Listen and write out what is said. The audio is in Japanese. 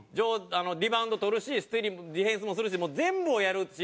リバウンド取るしディフェンスもするしもう全部をやるし。